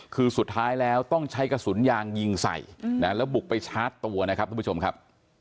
คือสุดท้ายแล้วต้องใช้กระสุนยางยิงใส่แล้วบุกไปชาร์จตัวนะครับทุกผู้ชมครับ